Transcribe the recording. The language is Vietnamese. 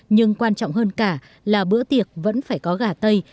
nhưng quan trọng hơn cả là bữa tiệc vẫn phải có gà tây